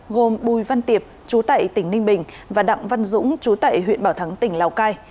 gồm bùi văn tiệp chú tại tỉnh ninh bình và đặng văn dũng chú tại huyện bảo thắng tỉnh lào cai